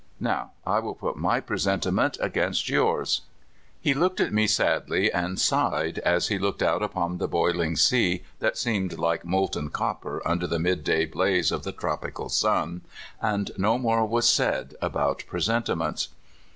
Now, I will put my presentiment against yours." He looked at me sadly, and sighed as he looked out upon the boiling sea that seemed like molten copper under the midday blaze of the tropical sun, and no more was said about presentiments.